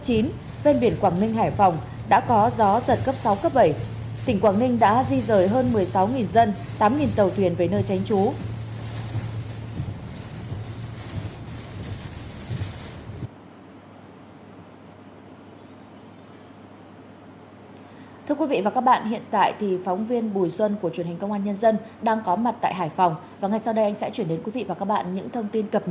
phên biển quảng ninh hải phòng đã có gió giật cấp sáu cấp bảy